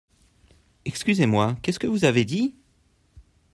Excusez-moi, qu'est-ce que vous avez dit ?